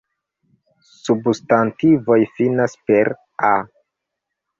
Substantivoj finas per -a.